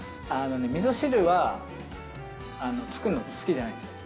みそ汁は、作るの好きじゃないんですよ。